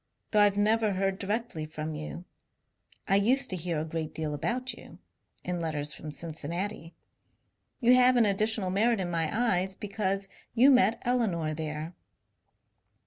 Though I Ve never heard directly from you, I used to hear a great deal about you, in letters from Cincinnati. You have an additional merit in my eyes because you met Elinor there.